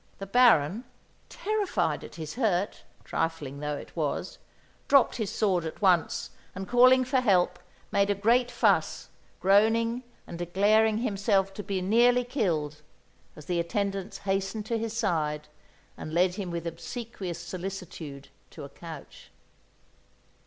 The Baron, terrified at his hurt, trifling though it was, dropped his sword at once, and calling for help, made a great fuss, groaning and declaring himself to be nearly killed as the attendants hastened to his side and led him with obsequious solicitude to a couch.